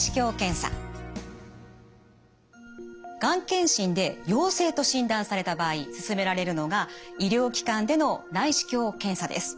がん検診で陽性と診断された場合すすめられるのが医療機関での内視鏡検査です。